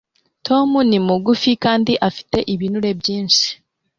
tom ni mugufi kandi afite ibinure byishi